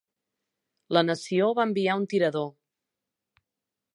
La nació va enviar un tirador.